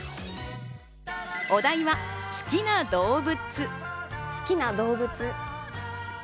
お題は「好きな動物」。